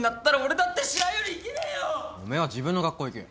おめえは自分の学校行け。